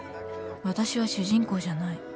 私は主人公じゃない。